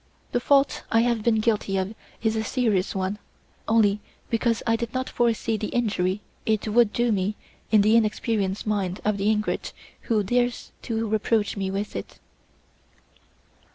The fault I have been guilty of is a serious one only because I did not foresee the injury it would do me in the inexperienced mind of the ingrate who dares to reproach me with it."